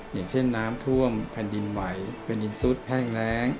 อย่างเช่นน้ำท่วมแผ่นดินไหวแผ่นดินซุดแห้งแรง